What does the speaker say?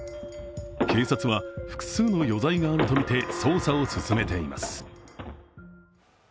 警察は、複数の余罪があるとみて捜査を進めています。